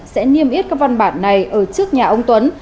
sẽ niêm yết các văn bản này ở trước nhà ông tuấn